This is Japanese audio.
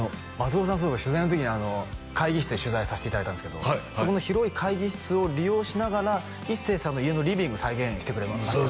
そういえば取材の時に会議室で取材さしていただいたんですけどそこの広い会議室を利用しながら一生さんの家のリビング再現してくれましたよね